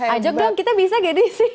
ajak dong kita bisa gini sih